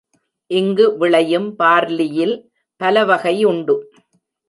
இங்கு விளையும் பார்லியில் பலவகை உண்டு.